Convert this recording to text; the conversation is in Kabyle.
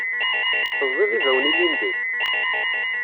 Teẓẓiḍ ibawen ilindi?